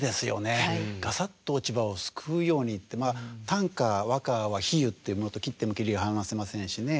「ガサッと落葉」を「すくふやうに」って短歌・和歌は比喩っていうものと切っても切り離せませんしね